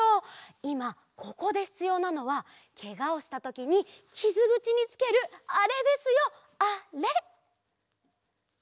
いまここでひつようなのはけがをしたときにきずぐちにつけるあれですよあれ！